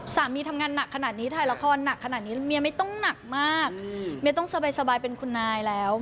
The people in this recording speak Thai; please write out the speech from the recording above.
สามีทำงานหนักขนาดนี้ถ่ายละครหนักขนาดนี้เมียไม่ต้องหนักมากเมียต้องสบายเป็นคุณนายแล้ว